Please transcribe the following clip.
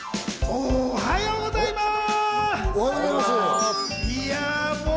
おはようございます。